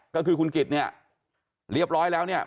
ก็คือคุณกิจเนี่ยเรียบร้อยแล้วเนี่ย